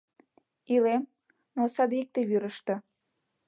Илем, но садикте вӱрыштӧ